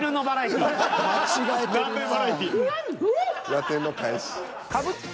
ラテンの返し。